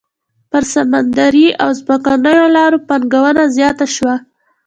پر سمندري او ځمکنيو لارو پانګونه زیاته شوه.